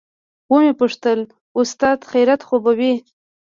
ومې پوښتل استاده خيريت خو به وي.